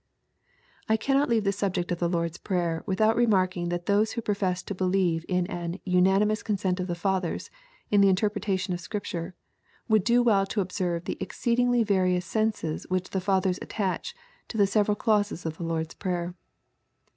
I cannot leave the subject of the Lord's Prayer, without re marking that those who profess to believe in an "unanimous consent of the Fathers" in the interpretation of Scripture, would do well to observe the exceedingly various senses which the Fathers attach to the several clauses of the Lord's Prayer.